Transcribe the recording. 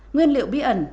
nguyên liệu bí ẩn